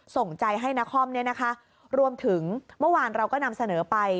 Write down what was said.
ส่งใจให้นครรวมถึงเมื่อวานเราก็นำเสนอไป